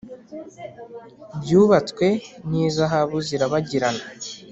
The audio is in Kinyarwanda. byubatwse n'izahabu zirabagirana.